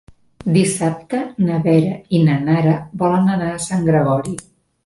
Dissabte na Vera i na Nara volen anar a Sant Gregori.